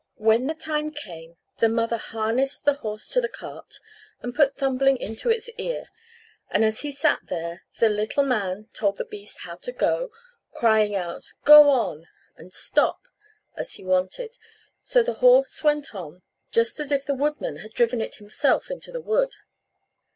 When the time came, the mother harnessed the horse to the cart, and put Thumbling into its ear; and as he sat there, the little man told the beast how to go, crying out, "Go on," and "Stop," as he wanted; so the horse went on just as if the woodman had driven it himself into the wood.